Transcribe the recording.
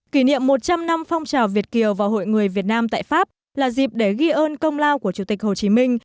kỷ niệm một trăm linh năm phong trào việt kiều và hội người việt nam tại pháp là dịp để ghi ơn công lao của chủ tịch hồ chí minh